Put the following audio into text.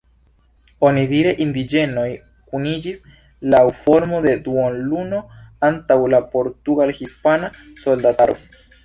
Onidire indiĝenoj kuniĝis laŭ formo de duonluno antaŭ la portugal-hispana soldataro.